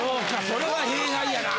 それは弊害やな。